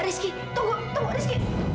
rizky tunggu tunggu rizky